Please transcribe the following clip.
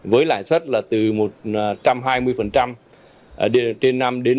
với lãi xuất là từ một trăm hai mươi trên năm đến một